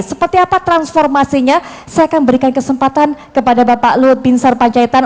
seperti apa transformasinya saya akan berikan kesempatan kepada bapak luhut bin sar panjaitan